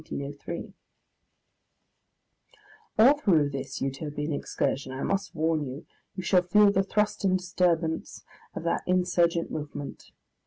] All through this Utopian excursion, I must warn you, you shall feel the thrust and disturbance of that insurgent movement.